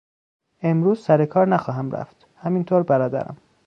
امروز سر کار نخواهم رفت، همین طور برادرم.